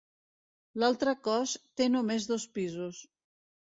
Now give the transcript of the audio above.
L'altre cos té només dos pisos.